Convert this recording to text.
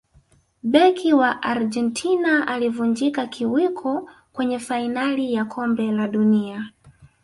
beki wa argentina alivunjika kiwiko kwenye fainali ya kombe la dunia